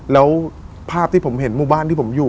แล้วภาพที่ผมเห็นหมู่บ้านที่ผมอยู่